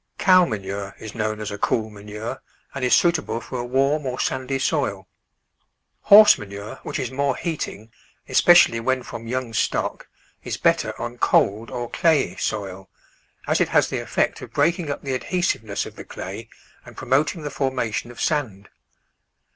Cow manure is known as a cool manure, and is suitable for a warm or sandy soil. Horse manure, which is more heating, especially when from young stock, is better on cold or clayey soil, as it has the effect of breaking up the adhesiveness of the clay and promoting the formation of sand.